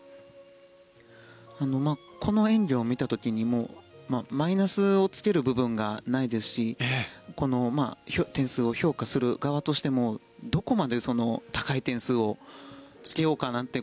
この演技を見た時にマイナスをつける部分がないですし点数を評価する側としてもどこまで高い点数をつけようかなんて